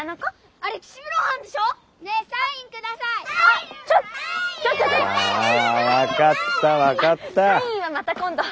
あっサインはまた今度。